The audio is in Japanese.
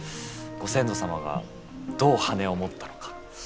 ご先祖様がどう羽を持ったのか。